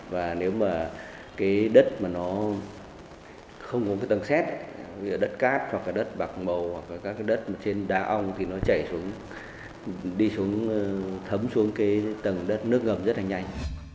và nếu mà đất không có tầng xét đất cát hoặc đất bạc màu hoặc đất trên đá ong thì nó chảy xuống thấm xuống tầng đất nước ngầm rất nhanh